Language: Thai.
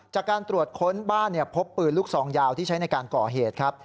จากการตรวจค้นบ้านพบปืนลูกซองยาวที่ใช้ในการก่อเหตุครับ